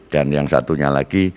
dan yang satunya lagi